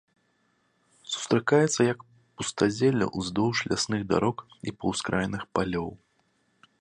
Сустракаецца як пустазелле ўздоўж лясных дарог і па ўскраінах палёў.